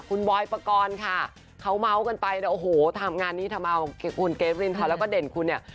คุณบอยปกรณ์ค่ะเขาเมาส์กันไปแล้วโอ้โหทำงานนี้ทำเอาคุณเกรทรินทรแล้วก็เด่นคุณเนี่ย